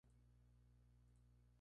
Irlanda ganó.